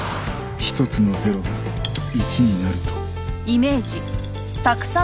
ひとつの０が１になると